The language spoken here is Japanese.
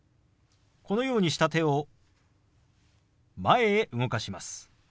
このようにした手を前へ動かします。